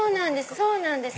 そうなんです。